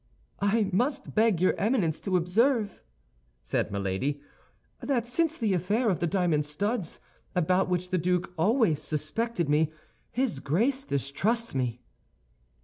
"I must beg your Eminence to observe," said Milady, "that since the affair of the diamond studs, about which the duke always suspected me, his Grace distrusts me."